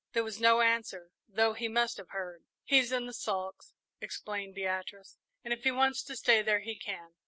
There was no answer, though he must have heard. "He's in the sulks," explained Beatrice, "and if he wants to stay there, he can."